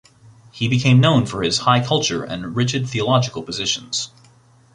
He became known for his high culture and rigid theological positions.